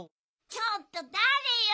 ちょっとだれよ！